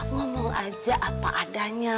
ngomong aja apa adanya